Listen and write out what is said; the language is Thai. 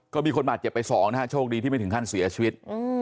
ก็มีคนบาดเจ็บไปสองนะฮะโชคดีที่ไม่ถึงขั้นเสียชีวิต